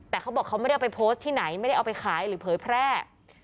แต่เขาบอกเขาไม่ได้เอาไปโพสต์ที่ไหนไม่ได้เอาไปขายหรือเผยแพร่